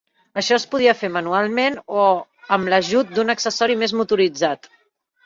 Això es podia fer manualment o amb l'ajut d'un accessori més motoritzat.